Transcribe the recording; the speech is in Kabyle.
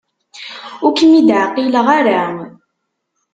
Ur kem-id-ɛqileɣ ara.